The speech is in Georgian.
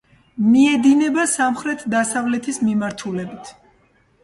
მიედინება სამხრეთ-დასავლეთის მიმართულებით.